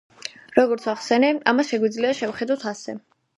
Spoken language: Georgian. როგორც ვახსენე, ამას შეგვიძლია შევხედოთ ასე.